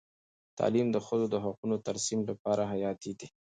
تعلیم د ښځو د حقونو د ترسیم لپاره حیاتي دی.